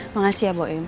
makasih ya boin